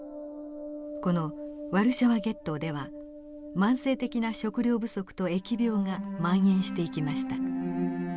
このワルシャワゲットーでは慢性的な食糧不足と疫病がまん延していきました。